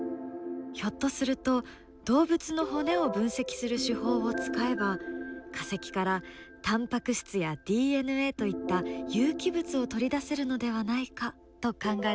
ひょっとすると動物の骨を分析する手法を使えば化石からタンパク質やＤＮＡといった有機物を取り出せるのではないかと考えたのです。